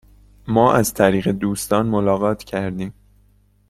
ما از طریق دوستان ملاقات کردیم.